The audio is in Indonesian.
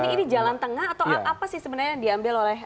ini jalan tengah atau apa sih sebenarnya yang diambil oleh